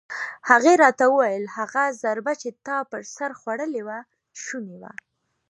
هغې راته وویل: هغه ضربه چې تا پر سر خوړلې وه شونې وه.